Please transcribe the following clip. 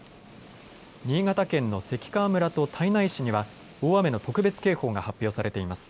新潟県の関川村と胎内市には大雨の特別警報が発表されています。